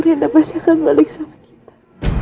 dianda pasti akan balik sama kita